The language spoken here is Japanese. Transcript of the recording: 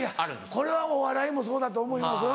これはお笑いもそうだと思います。